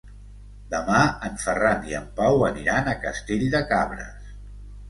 Demà en Ferran i en Pau aniran a Castell de Cabres.